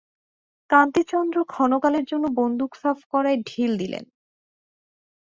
কান্তিচন্দ্র ক্ষণকালের জন্য বন্দুক সাফ করায় ঢিল দিলেন।